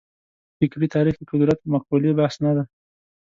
فکري تاریخ کې قدرت مقولې بحث نه دی.